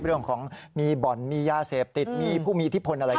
เรื่องของมีบ่อนมีย่าเสพติดมีผู้มีทิพพลอะไรอย่างนี้